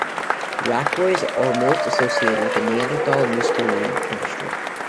Racloirs are most associated with the Neanderthal Mousterian industry.